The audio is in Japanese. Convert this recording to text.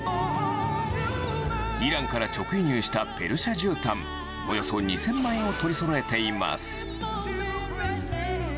イランから直輸入したペルシャじゅうたん、およそ２０００枚を取りそろえています。